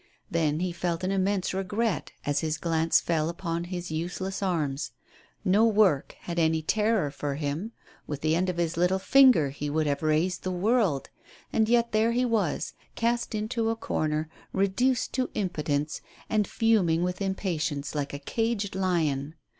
Then he felt an immense regret as his glance fell upon his use less arms. No work had any terror for him. With the end of his little finger he would have raised the world; and yet there he was, cast into a corner, reduced to impotence, and fuming with impatience like a caged lion!